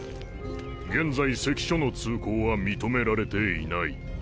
現在関所の通行は認められていない。